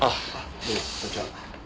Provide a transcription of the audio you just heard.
どうもこんにちは。